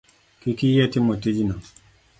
Kik iyie timo tijno?